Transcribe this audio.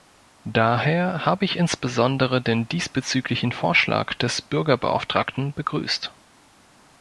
Daher habe ich insbesondere den diesbezüglichen Vorschlag des Bürgerbeauftragten begrüßt.